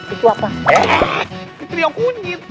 eh teriak kunyit